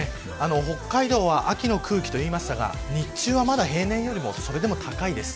北海道は秋の空気と言いましたが日中はまだ平年よりも高いです。